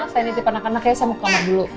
saya nitip anak anak ya saya mau ke anak dulu